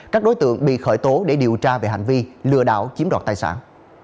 các đối tượng bị khởi tố để điều tra về hành vi lừa đảo chiếm đoạt tài sản